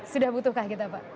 sudah butuhkah kita pak